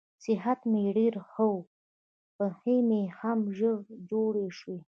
صحت مې ډېر ښه و، پښې مې هم ژر جوړې شوې.